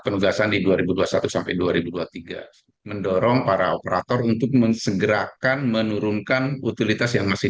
penugasan di dua ribu dua puluh satu sampai dua ribu dua puluh tiga mendorong para operator untuk mensegerakan menurunkan utilitas yang masih